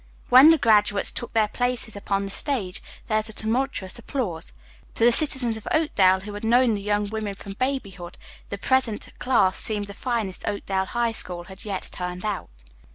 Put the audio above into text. When the graduates took their places upon the stage, there was tumultuous applause. To the citizens of Oakdale who had known the young women from babyhood, the present class seemed the finest Oakdale High School had yet turned out.